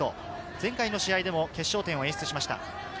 前回にも決勝点を演出しました。